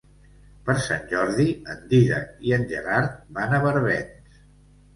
Per Sant Jordi en Dídac i en Gerard van a Barbens.